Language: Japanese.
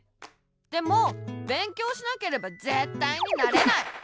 でもべんきょうしなければぜったいになれない！